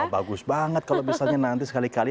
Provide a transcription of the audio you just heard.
bagus banget kalau misalnya nanti sekali kali